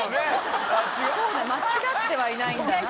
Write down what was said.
間違ってはいないんだな。